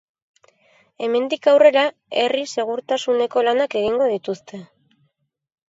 Hemendik aurrera, herri segurtasuneko lanak egingo dituzte.